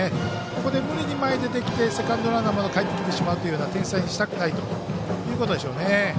ここで無理に前に出てきてセカンドランナーまでかえってきてしまうような点差にしたくないということでしょうね。